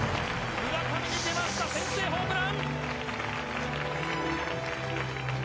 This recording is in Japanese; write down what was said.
村上に出ました、先制ホームラン。